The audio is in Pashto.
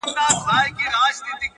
چا زر رنگونه پر جهان وپاشل چيري ولاړئ ـ